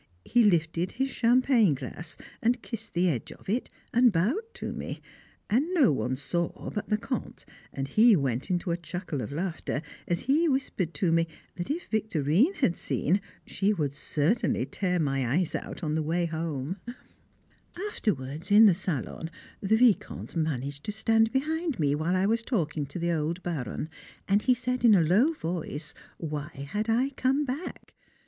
He lifted his champagne glass and kissed the edge of it, and bowed to me, and no one saw but the Comte, and he went into a chuckle of laughter, as he whispered to me that if Victorine had seen she would certainly tear my eyes out on the way home. [Sidenote: Elizabeth Sandwiched] Afterwards, in the salon, the Vicomte managed to stand behind me while I was talking to the old Baron, and he said in a low voice: Why had I come back?